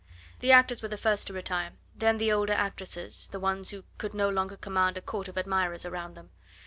The actors were the first to retire, then the older actresses, the ones who could no longer command a court of admirers round them.